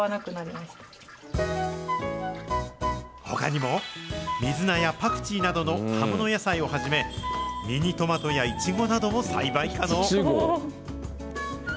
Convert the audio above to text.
ほかにも水菜やパクチーなどの葉物野菜をはじめ、ミニトマトやイチゴなども栽培可能。